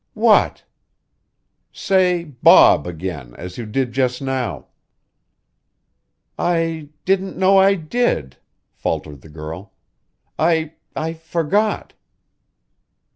"What?" "Say Bob again as you did just now." "I didn't know I did," faltered the girl. "I I forgot."